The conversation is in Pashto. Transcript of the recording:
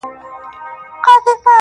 موږ په تيارو كي اوسېدلي يو تيارې خوښـوو.